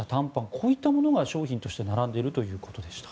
こういったものが商品として並んでいるということでした。